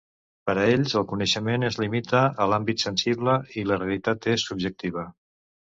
Per a ells, el coneixement es limita a l'àmbit sensible i la realitat és subjectiva.